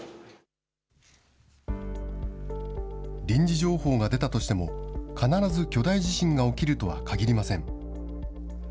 臨時情報が出たとしても、必ず巨大地震が起きるとはかぎりません。